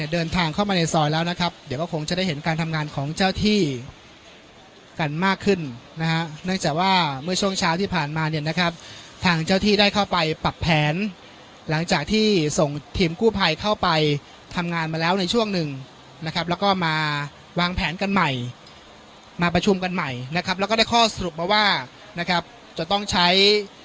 เดินทางเข้ามาในซอยแล้วนะครับเดี๋ยวก็คงจะได้เห็นการทำงานของเจ้าที่กันมากขึ้นนะฮะเนื่องจากว่าเมื่อช่วงเช้าที่ผ่านมาเนี่ยนะครับทางเจ้าที่ได้เข้าไปปรับแผนหลังจากที่ส่งทีมกู้ภัยเข้าไปทำงานมาแล้วในช่วงหนึ่งนะครับแล้วก็มาวางแผนกันใหม่มาประชุมกันใหม่นะครับแล้วก็ได้ข้อสรุปมาว่านะครับจะต้องใช้